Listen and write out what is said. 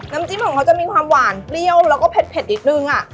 จิ้มของเขาจะมีความหวานเปรี้ยวแล้วก็เผ็ดนิดนึง